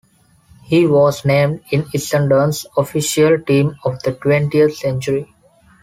He was named in Essendon's official 'Team of the Twentieth Century'.